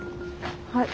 はい。